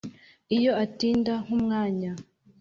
iyo atinda nk'umwanya